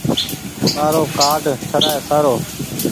مآرو ڪآرڊ ٺرآئي سارو۔